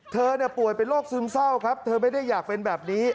เธอป่วยเป็นโรคซึมเศร้าครับเธอไม่ได้อยากเป็นแบบนี้